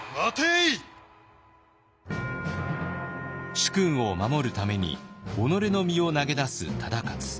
主君を守るために己の身を投げ出す忠勝。